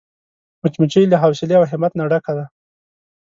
مچمچۍ له حوصلې او همت نه ډکه ده